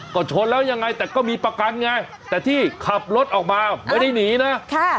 ก็ชนแล้วยังไงแต่ก็มีประกันไงแต่ที่ขับรถออกมาไม่ได้หนีนะ